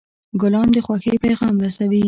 ګلان د خوښۍ پیغام رسوي.